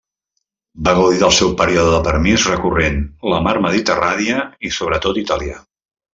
Va gaudir del seu període de permís recorrent la Mar Mediterrània, i sobretot Itàlia.